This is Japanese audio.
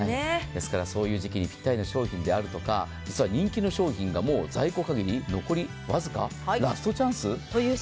ですから、そういう時期にぴったりの商品であるとか、実は人気の商品かもう在庫限り、ラストチャンス。